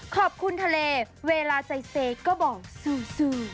ขอบคุณทะเลเวลาใจเซกก็บอกซื้อ